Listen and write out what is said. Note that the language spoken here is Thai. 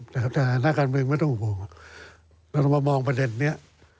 แต่นักการเมืองไม่ต้องห่วงเรามามองประเด็นเนี้ย